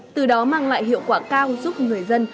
từ đó mang lại hiệu quả cao giúp người dân